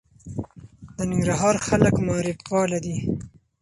د ننګرهار خلک معارف پاله دي.